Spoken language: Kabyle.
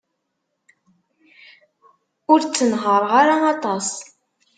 Ur ttenhaṛeɣ ara aṭas.